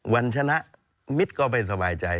วันชนะมิตรก็ไม่สบายใจ